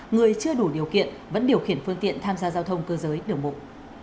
người chưa đủ điều kiện vẫn điều khiển phương tiện tham gia giao thông cơ giới đường mục